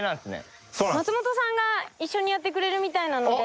松本さんが一緒にやってくれるみたいなので。